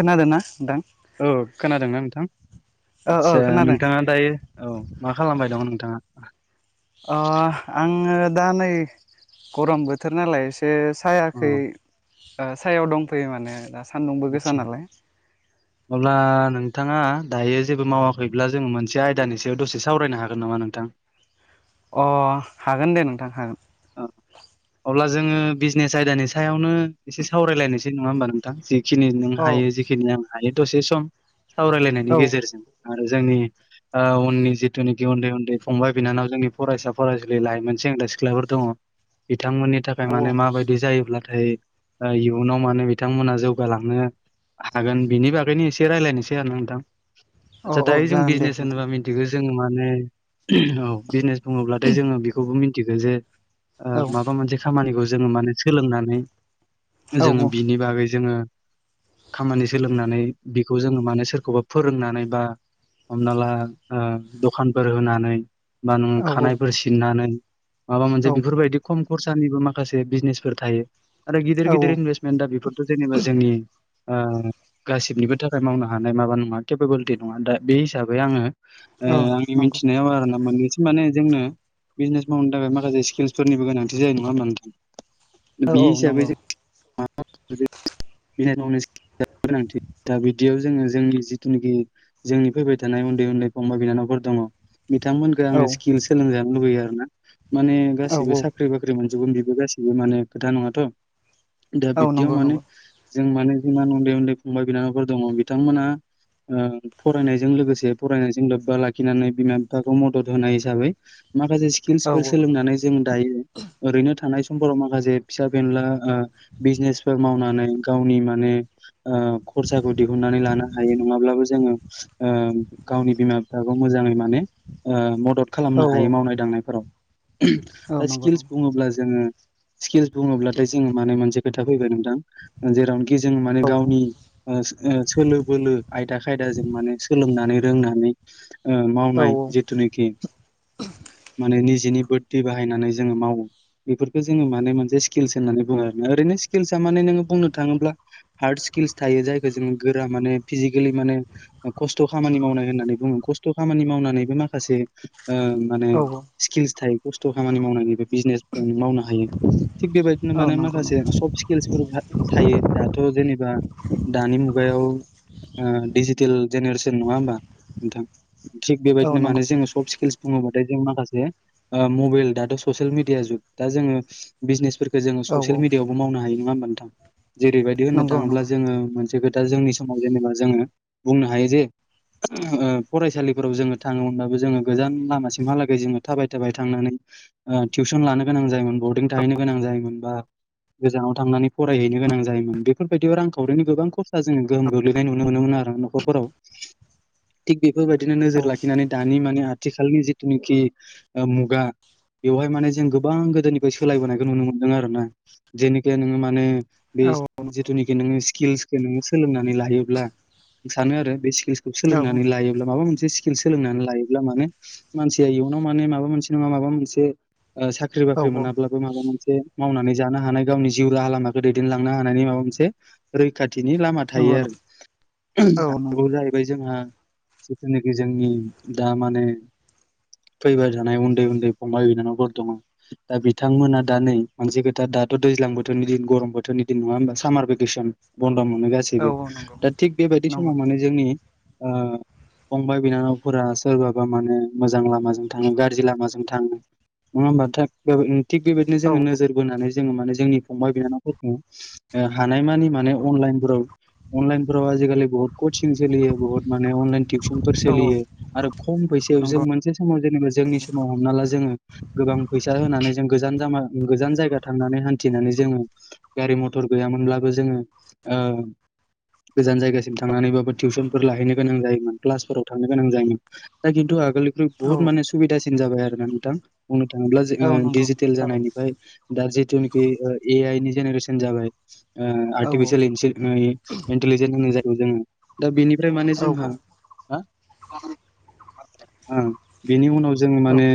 खोनादोंना नोंथां? औ। खोनादोंना नोंथां? ओ आदसा ओ खोनादों नोंथाङा दायो औ मा खालामबाय दङ नोंथाङा? ओ आङो दा नै गरम बोथोर नालाय ए से औ सायाखै ओ सायाव दंफैयो माने सान्दुंबो गोसा नालाय अब्ला नों थाङा दायो जेबो मावाखैब्ला जोङो मोनसे आयदानि सायाव दसे सावरायनो हागोन नामा नोंथां? अ हागोन दे नोंथां हागोन। औ। अब्ला जोङो बिजनेस आयदानि सायावनो एसे सावरायलायनोसै नङा होमबा नोंथां जि खिनि नों औ हायो जिखिनि आं हायो दसे सम सावरायलायनायनि औ गेजेरजों जोंनि ओ उननि जिथुनोखि उन्दै उन्दै फंबाय बिनानाव जोंनि फरायसा-फरायसुलि लाइमोनसिम दा सिख्लाफोर दङ बिथांमोननि थाखाय औ माने माबायदि जायोब्ला नाथाय इयुनाव माने बिथांमोना जौगालांनो हागोन बिनि बागैनो एसे रायज्लायनोसै आरो नोंथां औ आदसा औ दायो जों जागोन दे बिजनेस नोंथां होनोबा मिथिगौ जोङो माने औ बिजनेस बुङोब्लाथाय जोङो बेखौबो मिथिगो जे ओ औ माबा मोनसे खामानिखौ जोङो माने सोलोंनानै औ जोङो बिनि बागै जोङो खामानि सोलोंनानै बेखौ जोङो माने सोरखौबा फोरोंनानै बा हमना ला ओ दखानफोर होनानै बा नोङो खानायाइफोर सिननानै माबा मोनसे बेफोरबायदि खम खरसानिबो माखासे बिजनेसफोर थायो। आरो गिदिर औ गिदिर इनभेस्टमेन्ट दा बेफोरथ' जेनेबा जोंनि ओ गासिबनिबो थाखाय मावनो हानाय माबा नङा केपाबलिटि नङा दा बे हिसाबै आङो ओ औ आंनि नंगौ मिथिनायाव आरोना मोननैसिम माने जोंनो बिजनेस मावनो थाखाय मा खासे स्किल्सफोरनिबो गोनांथि जायो नङा होनबा नों औ बे औ हिसाबै नंगौ जों [unintelligible] [unintelligible] गोनांथि दा बिदियाव जोङो जोंनि जिथुनाखि जोंनि फैबाय थानाय उन्दै उन्दै फंबाय बिनानावफोर दङ बिथांमोनखौ औ आङो स्किल सोलोंजानो लुबैयो आरोना माने गासिबो औ साख्रि बाख्रि मोन जोबगोन बेबो गासिबो माने खोथा नङाथ' दा औ बिब्दियाव नंगौ माने नंगौ जों माने जिमान उन्दै उन्दै फंबाय बिनानावफोर दङ बिथांमोना ओ फरायनायजों लोगोसे फरायनायजों लोब्बा लाखिनानै बिमा बिफाखौ मदद होनाय हिसाबै माखासे सि औ फोर सोलोंनानै जों दायो ओरैनो थानाय समफोराव माखासे फिसा फेनला ओ बिजनेस फोर मावनानै गावनि माने ओ खरसाखौ दिहुननानै लानो हायो नङाब्लाबो जोङो ओ गावनि बिमा बिफाखौ मोजाङै माने ओ मदद औ खालामनो हायो मावनाय दांनायफोराव दा नंगौ नंगौ स्किल्स बुङोब्ला जोङो स्किलस बुङोब्लाथाय जोङो माने मोनसे खोथा फैबाय नों थां ओ जेरावनोखि जों माने औ गावनि ओ सो ओ सोलो बोलो आयदा खायदा जों माने सोलोंनानै रोंनानै ओ औ मावनाय जेथुनाखि माने नि जिनि बोद्दि बाहायनानै जोङो मावो। बेफोरखो जोङो माने मोनसे स्किल्स होननानै बुङो आरोना ओरैनो स्किल्सा माने नोङो बुंनो थाङोब्ला हारस किल्स थायो जायखो जोङो गोरा माने फिजिकेलि माने खस्थ' खामानि मावनाय होननानै बुङो खस्थ' खाम मानि मावनानैबो माखासे ओ माने औ स्किल्स थायो खस्थ' खामानि मावनानैबो बिजनेस बो मावनो हायो थिग बेबायदिनो औ माने नंगौ नंगौ माखासे सफ स्किल्सफोरबो थायो दाथ' जेनेबा दानि मुगायाव ओ डिजिटेल जेनेरेसोन नङा होमबा नोंथां थिग औ बेबायदिनो नंगौ माने जोङो सफ स्किल्स बुङोबाथाय जों माखासे ओ मबेल दाथ' स'सेल मिडिया जुग दा जोङो बिजनेसफोर जोङो औ ससेल मिडियावबो मावनो हायो नङा होमबा नोंथां जेरैबायदि होननो नंगौ थाङोब्ला जोङो नंगौ मोनसे दा जोंनि समाव जेनेबा जोङो बुंनो हायो जे ओ फरायसालिफोराव जोङो थाङोमोनबाबो जोङो गोजान लामासिमहालागै जोङो थाबाय थाबाय थांनानै ओ टिउसन लानो गोनां जायोमोन बर्दिं थाहैनो गोनां जायोमोन बा गोजानाव थांनानै फरायहैनो गोनां जायोमोन बेफोरबायदियाव रांखावरिनि गोबां खरसा जोङो गोहोम गोग्लैनाय नुनो मोनोमोन आ रो न'खरफोराव थिग बे फोरबादिनो नोजोर औ लाखिनानै दानि माने आथिखालनि जिथुनेखि ओ मुगा बेवहाय माने जों गोबां गोदोनिफ्राय सोलायबोनायखौ नुनो मोनदों आरो ना जेनेखे नोङो माने बे औ जिथुनेखि नोङो स्किल्सखो नोङो सोलोंनानै लायोब्ला सानो आरो बे सि किल्स सोलोंनानै लायोब्ला माबा मोनसे स्किल सोलोंनानै लायोब्ला माने मानसिया इयुन नाव माने माबा मोनसे नङा माबा मोनसे ओ साख्रि औ बाख्रि मोनाब्लाबो माबा मोन से मावनानै जानो हानाय गावनि जिउ राहा लामाखो दैदेनलांनो हानायनि माबा मोनसे रैखा थिनि लामा नंगौ थायो आरो औ नंगौ आरोबाव जाहैबाय जोंहा जिथुनेखि जोंनि दा माने फैबाय थानाय उन्दै उन्दै फंबाय बिनानावफोर दङ दा बिथांमोना दा नै मोनसे खोथा दाथ' दैज्लां बोथोरनि दिन गरम बोथोरनि दिन नङा होमबा सामार भेकेसन बन द मोनो औ गासैबो नंगौ दा थिग बेबायदि नंगौ समाव माने जोंनि ओ फंबाय बिनानावफोरा सोरबाबा माने मोजां लामाजों थाङो गारजि लामाजों थाङो नङाबा नोंथां बेब ओ थिग बेबायदिनो औ जोङो नोजोर बोनानै जोङो माने जोंनि फंबाय बिनानावफोरखो ओ हानायमानि माने अनलाइनफोराव अनलाइनफोराव आजिखालि बुहुत कचिं जोलियो बुहुत मा ने अनलाइन टिपसनफोर औ सोलियो आरो खम फैसायाव जों नंगौ मोनसे समाव जेनेबा जोंनि समाव हमना ला जोङो गोबां फैसा होनानै जों गोजान जामा गोजान जायगा थांनानै हान्थिनानै जोङो गारि मथर गैयामोनब्लाबो जोङो ओ गोजान जायगासिम थांनानैबाबो टिउसन फोर लाहैनो गोनां जायोमोन क्लास फोराव थांनो गोनां जायोमोन दा किनतु आगोलनिख्रुइ औ बुहुत माने सुबिदासि जाबाय आरो ना नोंथां बुंनो थाङोब्ला जो औ ओ नंगौ डिजिटेल जाबाय जानायनिफ्राय दा जि जेनेखि ओ ए आइनि जेनेरेसोन जाबाय। ओ औ आर्टिफिसियेल इन्टेलिजेन् होननाय जायो जोङो दा बिनि फ्राय माने औ जोंहा हा आ बेनि उनाव जोङो औ माने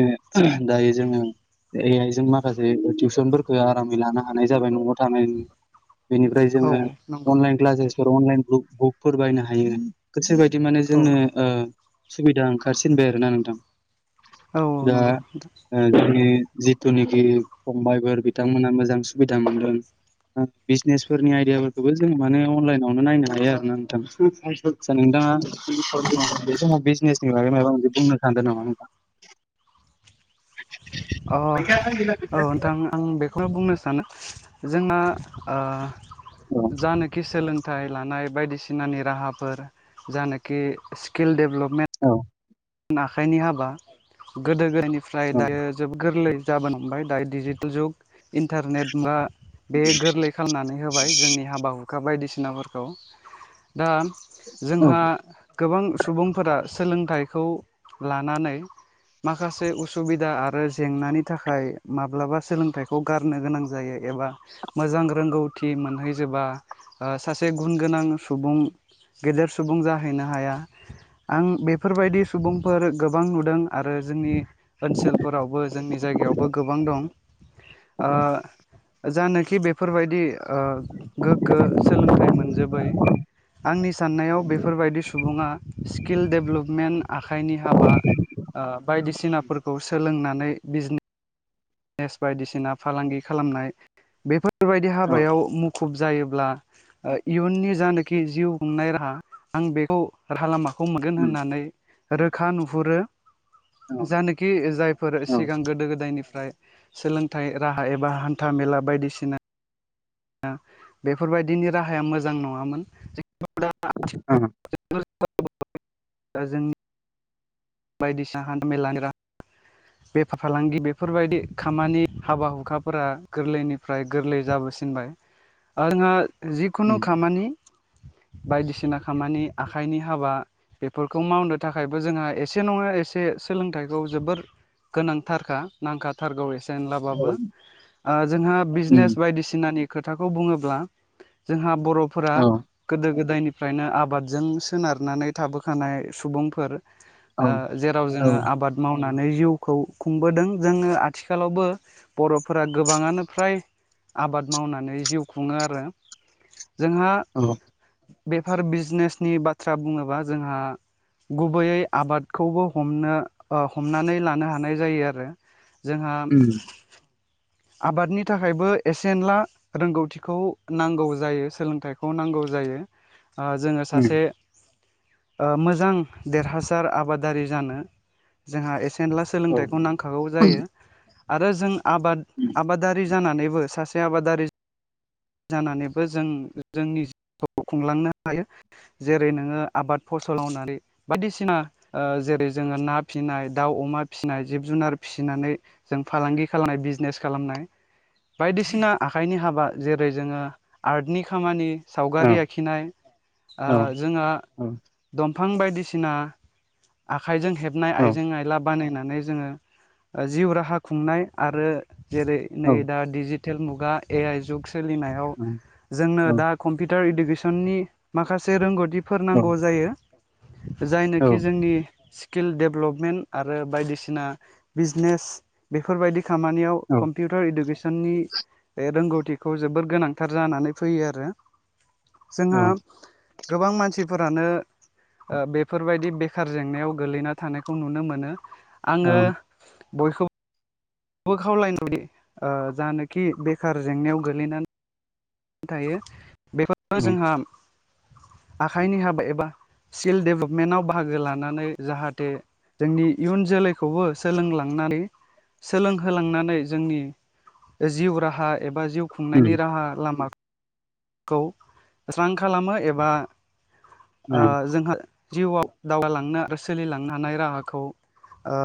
दायो जोङो आइजों माखासे टिउसनफोरखौ आरामै लानो हानाय जाबाय न'आव थानाय नी बेनिफ्राय औ जोङो नंगौ अनलाइन क्लासेसफोर अनलाइन बुकफोर बायनो हायो गोसो बिदि माने औ जोंनो ओ सुबिदा ओंखारसिनबाय आरो ना नोंथां‌। औ दा नंगौ ओ जोंनि जिथुनाखि फंबबायफोर बिथांमोना मोजां सुबिदा मोनदों‌ बिजनेसफोरनि आइदायाफोरखौबो जोङो माने अनलाइनावनो नायनो हायो आरोना नोंथां सा नोंथाङा नंगौ बे समाव बिजनेस नि बागै मायबा मीनसे बुंनो सानदों नामा? नोंथां अ औ नोंथां आं बेखौनो बुंनो सानो। औ [inaudible] फिथाइ लानाय बायदिसिनानि राहाफोर जानोखि स्किल डेभेलपमेन्ट औ आखाइनि हाबा गोदो गोदायनिफ्राय औ दायो जोबोद गोरलै गाबोन हमबाय दायो डिजिटेल जुग इन्टारनेट बा बे गोरलै खालामनानै होबाय जोंनि हाबा हुखा बायदिसिनाफोरखौ। दा औ जोंहा गोबां सुबुंफोरा सोलोंथाइ खौ लानानै माखासे उसुबिदा आरो जेंनानि थाखाय माब्लाबा सोलोंथाइखौ गारनो गोनां जायै। [inaudible] गेदेर सुबुं जाहैनो हाया आं बेफोरबायदि सुबुंफोर गोबां नुदों आरो जोंनि ओनसोलफोरावबो जोंनि जायगायावबो गोबां दं ओ जानो खि बेफोरबायदि ओ गोग्गो सोलोंथाइ मोनजोबै आंनि साननायाव बेफोरबायदि सुबुङा स्किल दडेभलपमेन्ट आखाइनि हाबा ओ बायदिसिनाफोरखौ सोलोंनानै बिजनेस बिजनेस बायदिसिना फालांगि खालामनाय बेफोरबायदि औ हाबायाव मुखुब जायोब्ला ओ इयुननि जानोखि जिउ खुंनाय राहा आं बेखौ राहा लामा हम मोनगोन होननानै रोखा नुहुरो। औ जानोखि जायफोर औ ओ सिगां गोदो गोदायनिफ्राय सोलोंथाइ राहा एबा हान्था मेला बायदिसिना। ओ बेफोरबायदिनि राहाया मोजां नङामोन जि बा। हूम गोन होनानै रोखा नुहुरो । दा जोंनि। बायदिसिना हान्था मेलानि राहा बेफार फालांगि बेफोरबायदि खामानि हाबा हुखाफोरा गोरलैनिफ्राय गोरलै जाबोसिनो। बाय आंहा जिखुनु उम खामानि बायदिसिना खामानि आखाइनि हाबा । बेफोरखौ मावनो थाखायबो जोंहा एसे नङा एसे सोलोंथाइखौ जोबोर [inaudible] औ बाय उम आंहा जिखुनु औ खामानि [inaudible] औ [inaudible] औ [unintelligible] [unintelligible] [unintelligible] फ्राय नो आंबादि जों सोनार नानै थाबो खानाय औ सुबुंफोर, फ्राय नो आबाद जों सोनार नानै थाबो खानाय सुबुंफोर, खौ खुंबोदों जोंनो आथिखालावबो बर फीरा गोबांआनो फ्राय आबाद मावनानै जिव खुंओ आरो जोंहा,, बेफार बिजिनेसनि बाथ्रा बुंनोब्ला जोंहा,, बेफार बिजिनेसनि बाथ्रा बुंनोब्ला उम जोंहा ओ मोजां देरहासार आबादारि जानो जोंहा एसेनला औ सोलोंथाइखौ उम, नांखागौ जायो आरो जों आबाद आबारि जानानैबो सासे आबादारि जानानैबो जों जोंनि खुंलांनो हायो जेरै नोङो आबाद फसलावनानै बायदिसिना ओ जेरै जोङो ना फिसिनाय दाउ अमा फिसिनाय जिब जुनार फिसिनानै जों फालांगि खालामनाय बिजने खालाम नाय बायदिसिना आखाइनि हाबा जेरै जोङो आर्टनि खामानि औ सावगारि आखिनाय ओ औ औ जोंहा फां बायदिसिना आखाइजों हेबनाय औ आइजें आइला बानायनाय नै जोङो जिउ राहा खुंनाय आरो जेरै औ नै दा दि थेल मुगा ए आइ जुग सोलिनायाव जोंनो औ दा कम्पिउटार इडु सननि माखासे रोंगौथिफोर औ नांगौ जायो औ जायनोखि जोंनि स्किल डेभेलपमेन्ट आरो बायदिसिना बिजनेस बेफोरबायदि खामानियाव कम्पिउटार इडुकेसननि रोंगौ खौ जोबोर गोनांथार जानानै फैयो आरो औ जोंहा गोबां मानसिफोरानो ओ बेफोरबायदि बेखार जेंनायाव गोलैना थानायखौ नुनो मोनो आङो औ बयखौ बो खावलायोदि ओ जानोखि बेखार जेंनायाव गोग्लैनानै थायो बेफोर उम, जोंहा आखाइनि हाबा एबा स्किल डेभेलपमेन्टआव बाहागो लानानै जाहाथे जोंनि इयुन जोलैखौबो सोलोंलांनानै सोलोंहोलांनानै जोंनि जिउ राहा एबा जिउ खुंनायनि राहा लामा खौ स्रां खालामो एबा ओ जोंहा जिउआव दावगालांनो आरो सोलिलांनो हानाय राहाखौ ओ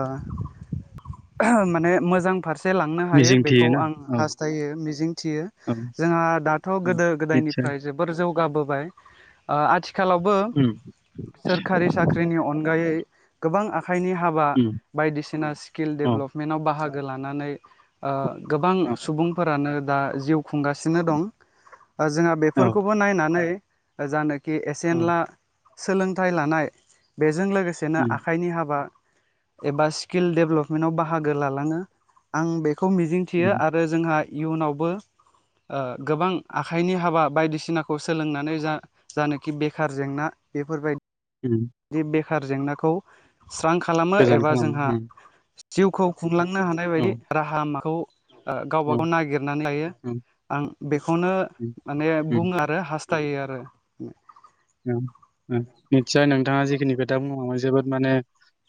माने मोजां फार से लांनो हायो मिजिं बेखौ थियोना आं औ हास्थायो मिजिं थियो औ जोंहा दाथ' औ गोदो निसय गोदनिफ्राय जोबोर जौगाबोबाय ओ आथि खालावबो औ सोरखारि साख्रिनि अनगायै गोबां आ आखाइनि हाबा औ बायदिसिना स्किल डेभ्लपमेन्टाव बाहागो लानानै ओ गोबां सुबुंफोरानो दा जिउ खुंगासिनो दं जोंहा बेफोरखौबो नायनानै जानोखि उम एसेनला सोलोंथाइ लानाय बेजों लोगोसेनो उम आखाइनि हाबा एबा स्किल डेभेलपमेन्टआव बाहागो लालाङो आं बे खौ मिजिंथियो आरो जोंहा इयुनावबो ओ गोबां आखाइनि हाबा बायदिसिनाखौ सोलोंनानै जा जानोखि बेखार जेंना बेफोरबा उम खार जेंनाखौ स्रां खालामो गोजान एबा जोंहा खालामो जिउखौ खुंलांनो हानाय उम बायदि राहा माखौ ओ औ गावबागाव नागिरनानै लायो औ आं बेखौनो माने बुङो आरो हास थायो आरो उम उम निसय नोंथाङा जिखिनि खोथा बुलांबाय जोबोद माने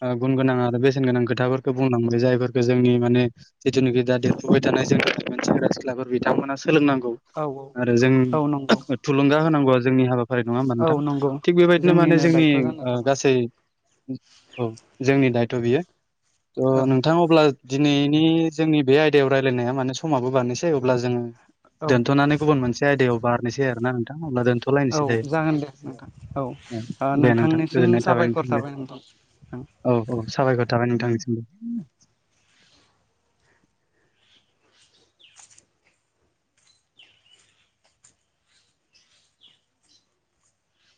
ओ गुन गोनां आरो बेसेन गोनां खोथाफोरखौ बुंलांबाय जायफोरखौ जोंनि माने जिथुनाखि दा देरफुबाय थानाय सेंग्रा सिख्लाफोर बिथांमोना सोलोंनांगौ औ आरो जों औ नंगौ थुलुंगा होनांगौआ जोंनि हाबाफारि न औ थां नंगौ थिग बेबायदिनो माने जोंनिनो जोंनि दायथ' जाना ओ थाबाय गासै औ जोंनि दायथ' बियो औ थ' नोंथां अब्ला दिनैनि जोंनि बे आयदायाव रायज्लायनाया माने समाबो बारनोसै अब्ला जोङो औ दोन्थ'नानै गुबुन मोनसे आयदायाव बारनोसै आरोना नोंथां अब्ला औ दोनथ'लायनोसै दायो। दे जागोन नोंथां औ दे नोंथां नोंथांनिसिम गोजोननाय नोंथां साबायखर दे थाबाय नोंथां। औ औ साबायखर थाबाय नोंथांनिसिमबो।